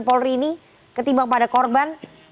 polri ini ketimbang pada korban